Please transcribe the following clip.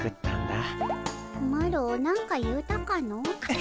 マロ何か言うたかの？